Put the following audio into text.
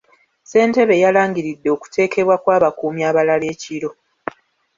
Ssentebe yalangiridde okuteekebwa kw'abakuumi abalala ekiro.